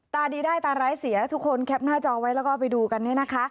ตาดีได้ตาร้ายเสียทุกคนแคปหน้าจอไว้แล้วก็ไปดูกันเนี่ยนะคะ